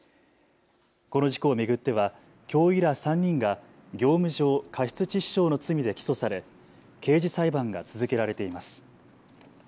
この事故を巡っては教諭ら３人が業務上過失致死傷の罪で起訴され刑事裁判が続けられています。